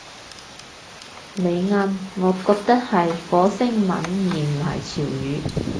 你啱，我覺得係火星文而唔係潮語